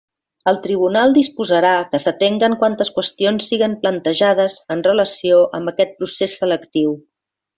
El tribunal disposarà que s'atenguen quantes qüestions siguen plantejades en relació amb aquest procés selectiu.